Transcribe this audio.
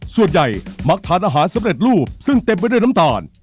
มักทานอาหารสำเร็จรูปซึ่งเต็มไปด้วยน้ำตาล